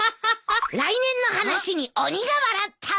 来年の話に鬼が笑った。